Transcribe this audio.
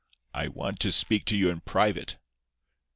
"I want to speak to you in private."